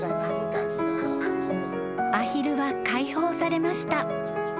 ［アヒルは解放されました］